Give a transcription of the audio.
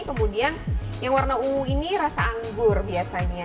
kemudian yang warna ungu ini rasa anggur biasanya